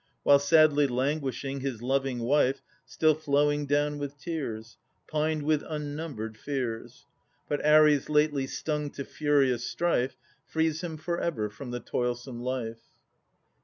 While, sadly languishing, his loving wife, Still flowing down with tears, Pined with unnumbered fears. But Ares, lately stung to furious strife, Frees him for ever from the toilsome life.